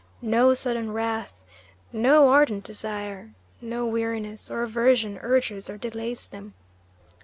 No sudden wrath, no ardent desire, no weariness or aversion urges or delays them.